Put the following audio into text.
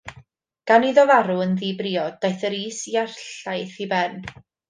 Gan iddo farw yn ddibriod daeth yr is-iarllaeth i ben.